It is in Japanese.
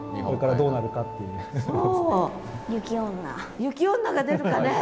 雪女が出るかね？